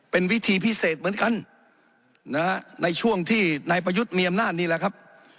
เป็นวิธีพิเศษเหมือนกันนะฮะในช่วงที่นายประยุทธ์มีอำนาจนี่แหละครับ